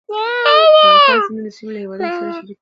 د افغانستان سیندونه د سیمې له هېوادونو سره شریکې اوبه لري.